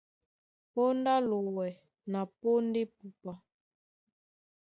Póndá á lowɛ na póndá epupa.